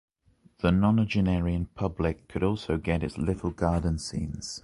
The nonagenarian public could also get its little garden scenes.